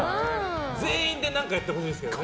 全員で何かやってほしいですけどね。